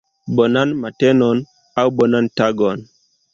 Bonan matenon, aŭ bonan tagon